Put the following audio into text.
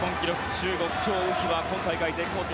中国、チョウ・ウヒは今大会、絶好調。